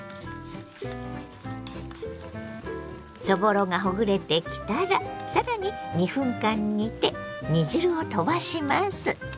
そぼろがほぐれてきたらさらに２分間煮て煮汁を飛ばします。